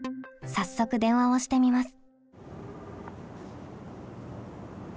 早速電話をしてみます。